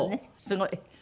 すごい。